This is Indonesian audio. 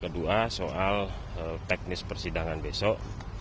kedua soal teknis persidangan besok